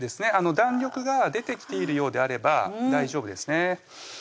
弾力が出てきているようであれば大丈夫ですね